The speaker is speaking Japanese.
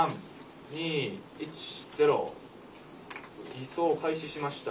移送を開始しました。